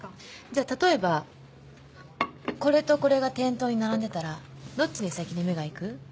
じゃあ例えばこれとこれが店頭に並んでたらどっちに先に目が行く？